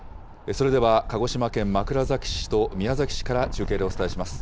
それでは鹿児島県枕崎市と宮崎市から中継でお伝えします。